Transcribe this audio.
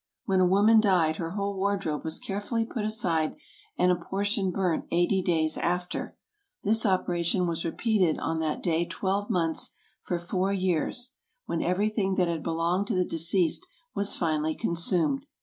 When a woman died her whole wardrobe was carefully put aside, and a portion burnt eighty days after; this operation was repeated on that day twelve months for four years, when everything that had belonged to the de ceased was finally consumed.